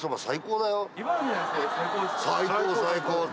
最高最高！